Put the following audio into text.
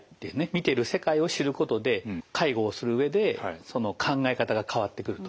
見てる世界を知ることで介護をする上でその考え方が変わってくると。